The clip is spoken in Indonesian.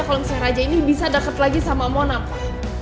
kalau misalnya raja ini bisa deket lagi sama mona pa